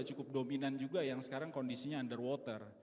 cukup dominan juga yang sekarang kondisinya underwater